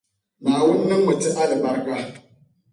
Naawuni niŋ mi ti alibarika.